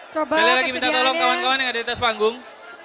kembali lagi minta tolong kawan kawan yang ada di atas panggung